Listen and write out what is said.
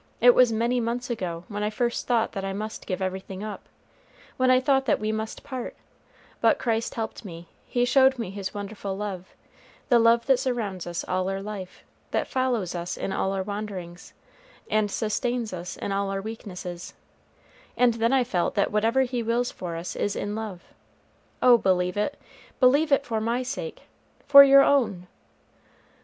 It was many months ago when I first thought that I must give everything up, when I thought that we must part; but Christ helped me; he showed me his wonderful love, the love that surrounds us all our life, that follows us in all our wanderings, and sustains us in all our weaknesses, and then I felt that whatever He wills for us is in love; oh, believe it, believe it for my sake, for your own."